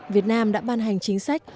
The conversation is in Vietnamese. việt nam đã ban hành chính sách